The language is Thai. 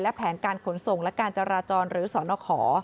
แผนการขนส่งและการจราจรหรือสนขอ